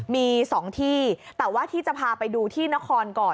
มี๒ที่แต่ว่าที่จะพาไปดูที่นครก่อน